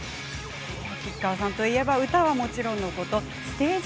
吉川さんといえば歌はもちろんのことステージ